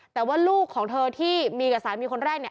แต่ว่าลูกของเธอที่มีกับสามีคนแรกเนี่ย